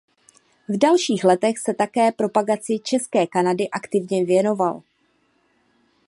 V dalších letech se také propagaci České Kanady aktivně věnoval.